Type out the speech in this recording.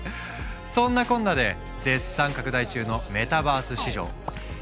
そんなこんなで絶賛拡大中のメタバース市場。